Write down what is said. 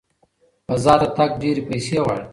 فضا ته تګ ډېرې پیسې غواړي.